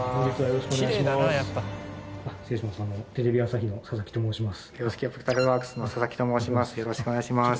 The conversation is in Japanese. よろしくお願いします。